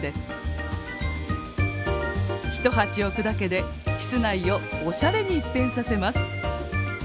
一鉢置くだけで室内をおしゃれに一変させます。